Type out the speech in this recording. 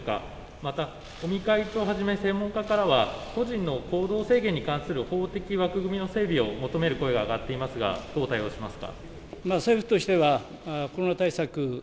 また、尾身会長はじめ専門家からは個人の行動制限に関する法的枠組みの宣言を求める声が上がっていますがどう受け止めてますか。